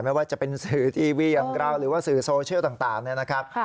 ไม่ว่าจะเป็นสื่อทีวีอย่างเราหรือว่าสื่อโซเชียลต่างเนี่ยนะครับ